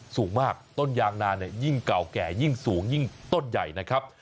สูงมากต้นยางนาเนี่ยยิ่งเก่าแก่ยิ่งสูงยิ่งต้นใหญ่นะครับ